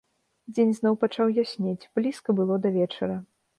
Дзень зноў пачаў яснець, блізка было да вечара.